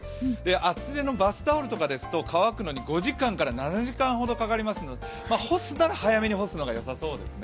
厚手のバスタオルですと乾くのに５時間から７時間かかるので干すなら早めに干すのがよさそうですね。